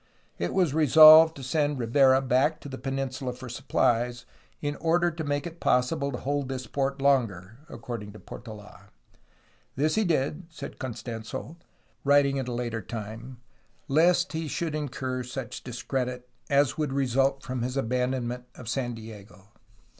It was resolved to send Rivera back to the peninsula for supplies "in order to make it possible to hold this port longer," according to Portola. This he did, said Costans6, writing at a later time, "lest he should incur such discredit" as would result from his abandonment of San Diego.